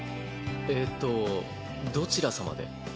えっとどちらさまで？